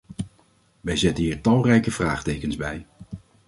Wij zetten hier talrijke vraagtekens bij.